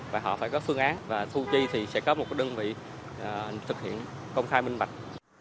và họ phải có phương án và thu chi thì sẽ có một đơn vị thực hiện công khai minh bạch